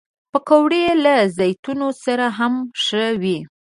پکورې له زیتون سره هم ښه وي